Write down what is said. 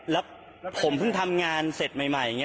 แล้วผมเพิ่งทำงานเสร็จใหม่อย่างนี้